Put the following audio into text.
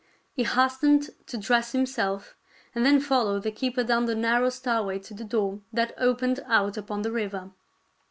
He hastened to dress himself, and then followed the keeper down the narrow stairway to the door that opened out upon the river.